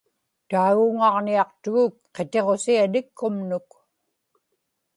taaguŋaġniaqtuguk qitiġusianikkumnuk